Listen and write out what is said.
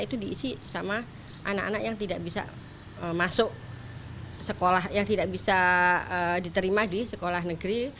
itu diisi sama anak anak yang tidak bisa masuk sekolah yang tidak bisa diterima di sekolah negeri